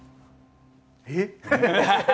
えっ！